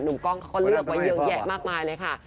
กล้องเขาก็เลือกไว้เยอะแยะมากมายเลยค่ะ